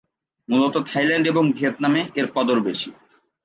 মূলত থাইল্যান্ড এবং ভিয়েতনামে এর কদর বেশি।